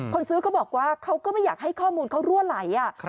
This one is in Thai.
คนซื้อเขาบอกว่าเขาก็ไม่อยากให้ข้อมูลเขารั่วไหล